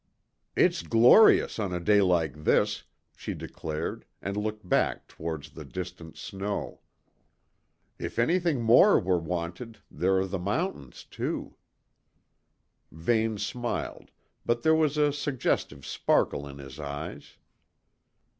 "It's glorious on a day like this," she declared and looked back towards the distant snow. "If anything more were wanted, there are the mountains, too." Vane smiled, but there was a suggestive sparkle in his eyes.